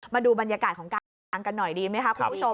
มาดูบรรยากาศของกลางกันหน่อยดีไหมครับคุณผู้ชม